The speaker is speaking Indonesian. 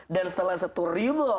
dan salah satu riba